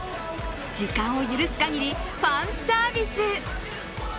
時間を許すかぎりファンサービス。